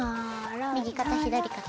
右肩左肩。